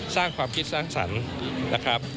สร้างความคิดสร้างสรรค์นะครับ